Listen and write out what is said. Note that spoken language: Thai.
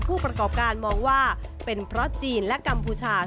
ผู้ประกอบการมองว่าเป็นเพราะจีนและกัมพูชา